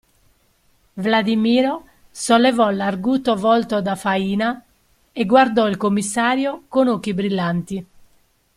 Vladimiro sollevò l'arguto volto da faina e guardò il commissario con occhi brillanti.